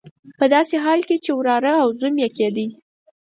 په داسې حال کې چې وراره او زوم یې کېدی.